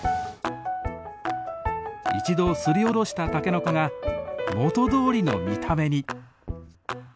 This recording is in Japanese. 一度すりおろしたタケノコが元どおりの見た目に！